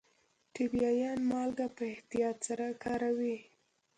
ټبیايان مالګه په احتیاط سره کاروي.